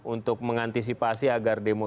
untuk mengantisipasi agar demo